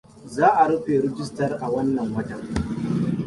Za a rufe rijistar a watan nan.